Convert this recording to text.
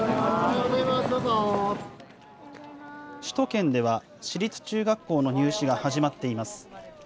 首都圏では、私立中学校の入試が始まっています。